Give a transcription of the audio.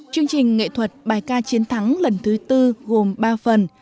chương trình nghệ thuật bài ca chiến thắng lần thứ tư gồm ba phần